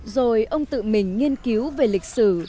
rồi ông tự mình nghiên cứu về lịch sử